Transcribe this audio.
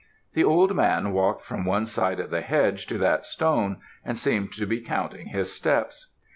The old man walked from one side of the hedge to that stone, and seemed to be counting his steps.